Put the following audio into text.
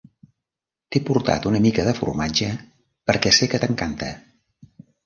T'he portat una mica de formatge perquè sé que t'encanta.